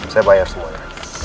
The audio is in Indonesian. saya bayar semuanya